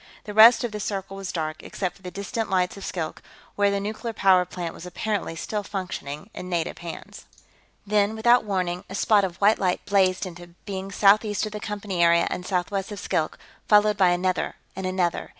The rest of the circle was dark, except for the distant lights of Skilk, where the nuclear power plant was apparently still functioning in native hands. Then, without warning, a spot of white light blazed into being southeast of the Company area and southwest of Skilk, followed by another and another.